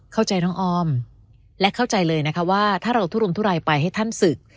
เข้าใจน้องออมและเข้าใจเลยนะคะว่าถ้าเราทุรมทุรายไปให้ท่านศึก